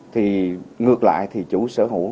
thì ngược lại thì chủ sở hữu